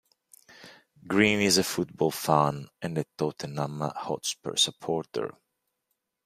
Green is a football fan and a Tottenham Hotspur supporter.